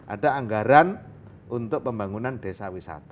ada anggaran untuk pembangunan desa wisata